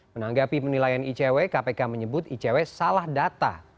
menanggapi penilaian icw kpk menyebut icw salah data